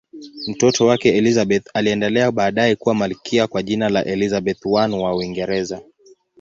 Mtoto wake Elizabeth aliendelea baadaye kuwa malkia kwa jina la Elizabeth I wa Uingereza.